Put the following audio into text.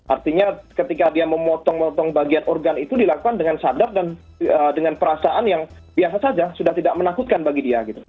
artinya ketika dia memotong motong bagian organ itu dilakukan dengan sadar dan dengan perasaan yang biasa saja sudah tidak menakutkan bagi dia